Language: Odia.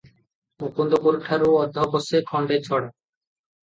ମୁକୁନ୍ଦପୁରଠାକୁ ଅଧ କୋଶେ ଖଣ୍ଡେ ଛଡ଼ା ।